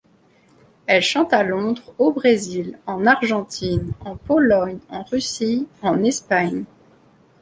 Elle chante à Londres, au Brésil, en Argentine, en Pologne, en Russie, en Espagne.